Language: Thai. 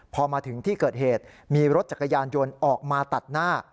พอมาถึงที่เกิดเหตุมีรถจักรยานยนต์ออกมาตัดหน้า